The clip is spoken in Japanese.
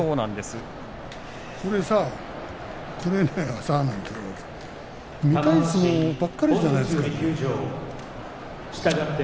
これ見たい相撲ばっかりじゃないですか。